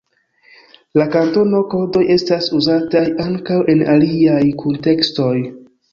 La kantono-kodoj estas uzataj ankaŭ en aliaj kuntekstoj.